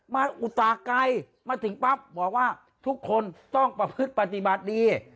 อุตสาไกลมาถึงปั๊บบอกว่าทุกคนต้องประพฤติปฏิบัติดี